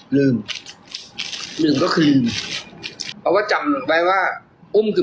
ลืมลืมก็คือลืมเพราะว่าจำไว้ว่าอุ้มคือ